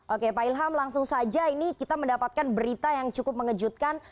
oke pak ilham langsung saja ini kita mendapatkan berita yang cukup mengejutkan